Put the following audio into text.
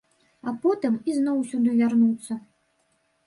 А потым ізноў сюды вярнуцца.